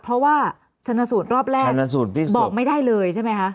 เพราะว่าชนสูตรรอบแรกบอกไม่ได้เลยใช่ไหมคะ